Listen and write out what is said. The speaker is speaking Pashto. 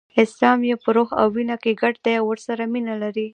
اسلام یې په روح او وینه کې ګډ دی او ورسره مینه لري.